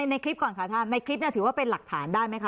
ในคลิปก่อนค่ะท่านในคลิปนี้ถือว่าเป็นหลักฐานได้ไหมคะ